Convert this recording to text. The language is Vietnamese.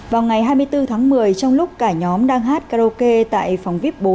vào ngày hai mươi bốn tháng một mươi trong lúc cả nhóm đang hát karaoke tại phòng vip bốn